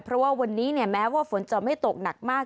เพราะว่าวันนี้แม้ว่าฝนจะไม่ตกหนักมาก